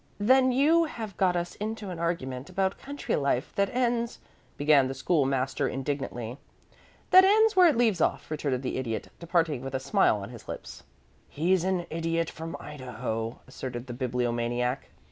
"Then you have got us into an argument about country life that ends " began the School master, indignantly. "That ends where it leaves off," retorted the Idiot, departing with a smile on his lips. "He's an Idiot from Idaho," asserted the Bibliomaniac.